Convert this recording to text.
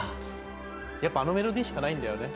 やっぱあのメロディーしかないんだよね。